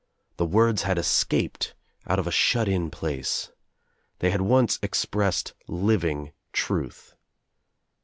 The words had escaped out of a shut in place. They had once expressed living truth.